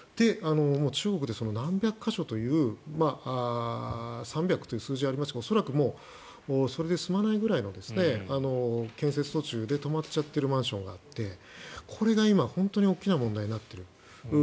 中国で何百か所という３００という数字がありましたが恐らくそれで済まないくらいの建設途中で止まっちゃってるマンションがあってこれが本当に大きな問題になっている。